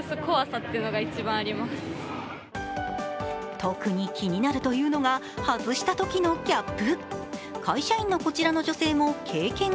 特に気になるというのが外したときのギャップ。